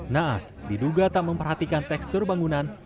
naas diduga tak memperhatikan tekstur bangunan